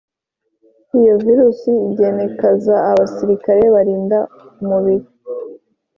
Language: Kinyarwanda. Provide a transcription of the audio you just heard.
iyo virusi inegekaza abasirikare barinda umubiri